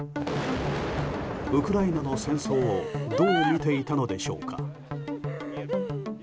ウクライナの戦争をどう見ていたのでしょうか。